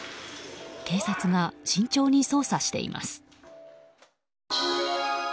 警察が慎重に捜査しています。